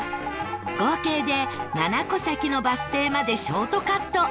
合計で７個先のバス停までショートカット